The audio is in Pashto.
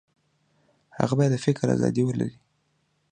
هغه باید د فکر ازادي ولري.